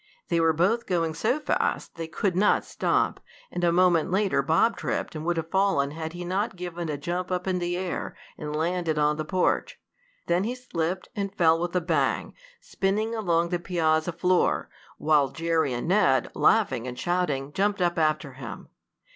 They were both going so fast they could not stop, and a moment later Bob tripped and would have fallen had he not given a jump up in the air, and landed on the porch. Then he slipped, and fell with a bang, spinning along the piazza floor, while Jerry and Ned, laughing and shouting, jumped up after him.